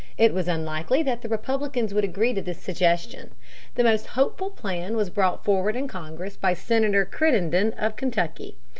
It was unlikely that the Republicans would agree to this suggestion. The most hopeful plan was brought forward in Congress by Senator Crittenden of Kentucky.